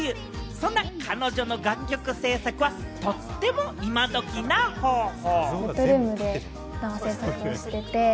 そんな、彼女の楽曲制作はとってもイマドキな方法。